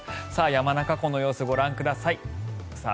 山中湖の様子、ご覧ください。